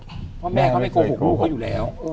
เพราะแม่เขาไม่โกหกลูกเขาอยู่แล้ว